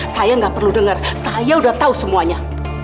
saya nggak perlu dengar saya udah tahu semuanya